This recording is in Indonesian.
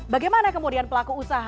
bagaimana kemudian pelaku usaha